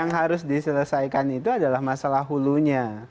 yang harus diselesaikan itu adalah masalah hulunya